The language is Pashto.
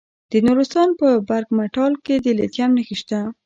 د نورستان په برګ مټال کې د لیتیم نښې شته.